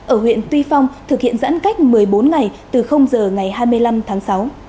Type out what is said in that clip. ở huyện tuy phong thực hiện giãn cách một mươi bốn ngày từ giờ ngày hai mươi năm tháng sáu